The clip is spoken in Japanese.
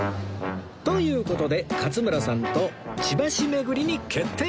という事で勝村さんと千葉市巡りに決定！